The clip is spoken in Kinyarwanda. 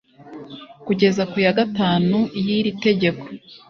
kugeza ku ya gatanu y iri tegeko